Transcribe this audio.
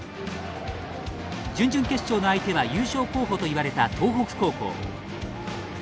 準々決勝の相手は優勝候補といわれた東北高校。